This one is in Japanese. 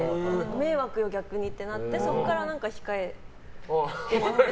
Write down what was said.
迷惑よ、逆にってなってそこから控えてます。